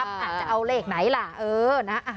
จะเอาเลขไหนล่ะเออนะ